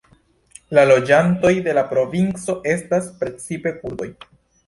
La loĝantoj de la provinco estas precipe kurdoj.